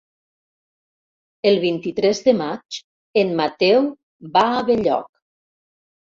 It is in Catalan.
El vint-i-tres de maig en Mateu va a Benlloc.